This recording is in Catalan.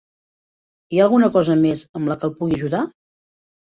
Hi ha alguna cosa més amb la que el pugui ajudar?